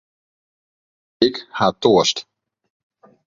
Ik ha toarst.